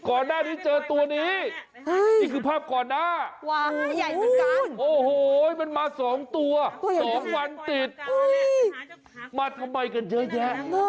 โอ้โหเป็นมา๒ตัววันติดมาทำไมกันเยอะแยะ